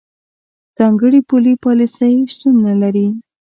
ځانګړې پولي پالیسۍ شتون نه لري.